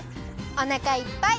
おなかいっぱい！